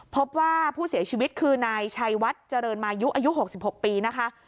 พบว่าผู้เสียชีวิตคือนายชัยวัดเจริญมายุอายุ๖๖ปีนะคะ